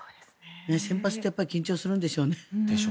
先発ってやっぱり緊張するんでしょうね。